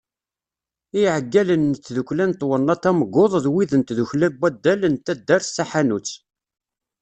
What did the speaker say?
I Iɛeggalen n tddukkla n twennaḍt Amgud d wid n tdukkla n waddal n taddart Taḥanut.